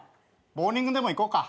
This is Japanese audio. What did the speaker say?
ボウリングでも行こうか。